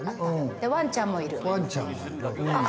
で、ワンちゃんもいる。